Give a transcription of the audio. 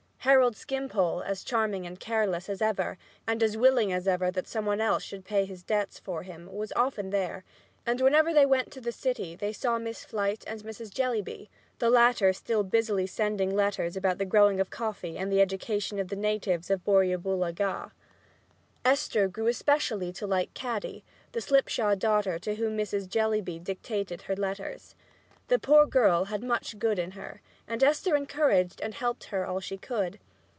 Harold Skimpole, as charming and careless as ever, and as willing as ever that some one else should pay his debts for him, was often there, and whenever they went to the city they saw Miss Flite and Mrs. Jellyby, the latter still busily sending letters about the growing of coffee and the education of the natives of Borrioboola Gha. Esther grew especially to like Caddy, the slipshod daughter to whom Mrs. Jellyby dictated her letters. The poor girl had much good in her, and Esther encouraged and helped her all she could.